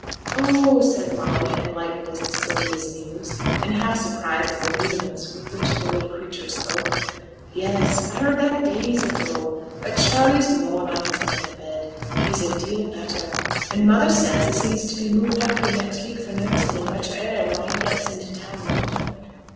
'Oh!' said Molly, enlightened as to Sylvia's 'news,' and half surprised at the vehemence with which the little creature spoke; 'yes; a heerd that days ago. But Charley's noane on his death bed, he's a deal better; an' mother says as he's to be moved up here next week for nursin' and better air nor he gets i' t' town yonder.'